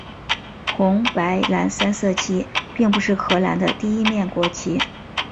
红白蓝三色旗并不是荷兰的第一面国旗。